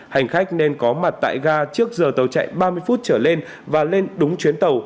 hành khách nên có mặt tại ga trước giờ tàu chạy ba mươi phút trở lên và lên đúng chuyến tàu